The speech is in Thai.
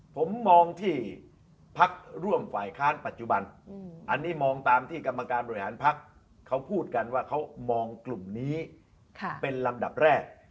ผมมองที่พักร่วมฝ่ายค้านปัจจุบันอันนี้มองตามที่กรรมการบริหารพักเขาพูดกันว่าเขามองกลุ่มนี้เป็นลำดับแรก